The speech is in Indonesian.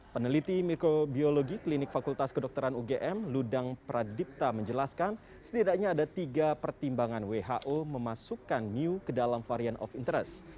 peneliti mikrobiologi klinik fakultas kedokteran ugm ludang pradipta menjelaskan setidaknya ada tiga pertimbangan who memasukkan new ke dalam varian of interest